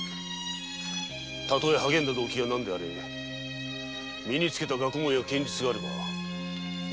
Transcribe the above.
たとえ励んだ動機が何であれ身につけた学問や剣術があれば別に身のたつ術はあったはず。